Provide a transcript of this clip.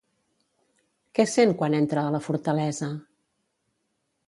Què sent quan entra a la fortalesa?